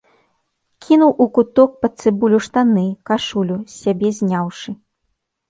Кінуў у куток пад цыбулю штаны, кашулю, з сябе зняўшы.